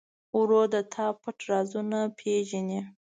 ورور د تا پټ رازونه پېژني.